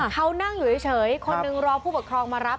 เขานั่งอยู่เฉยคนหนึ่งรอผู้ปกครองมารับ